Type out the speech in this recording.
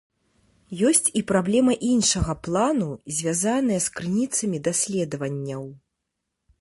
Ёсць і праблема іншага плану, звязаная з крыніцамі даследаванняў.